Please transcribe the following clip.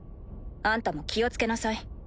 あんたも気をつけなさい。